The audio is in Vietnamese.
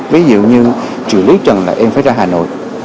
ví dụ như triều lý trần là em phải ra hà nội